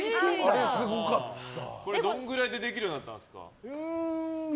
どのくらいでできるようになったんですか。